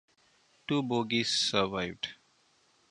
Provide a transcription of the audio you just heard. Two bogies survived.